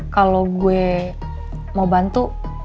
kalau gue mau bantu